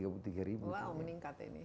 wow meningkat ini